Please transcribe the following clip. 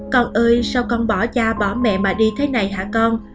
con ơi sao con bỏ cha bỏ mẹ mà đi thế này hả con